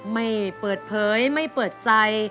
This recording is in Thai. ไม่เปิดเผยไม่เปิดใจ